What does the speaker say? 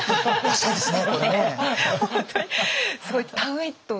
そうですね。